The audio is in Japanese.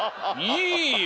いいよ